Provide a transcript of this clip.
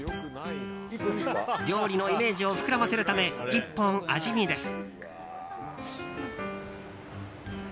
料理のイメージを膨らませるため１本味見です。